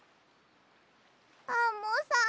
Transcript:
アンモさん。